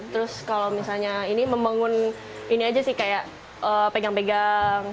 terus kalau misalnya ini membangun ini aja sih kayak pegang pegang